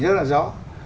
rất là rõ